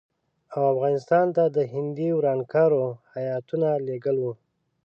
او افغانستان ته د هندي ورانکارو هیاتونه لېږل وو.